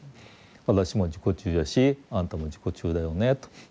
私も自己中やしあなたも自己中だよねと。